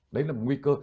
đấy là một nguy cơ